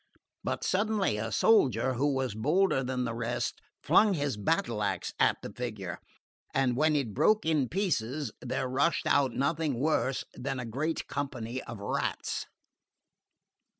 But suddenly a soldier who was bolder than the rest flung his battle axe at the figure and when it broke in pieces, there rushed out nothing worse than a great company of rats."...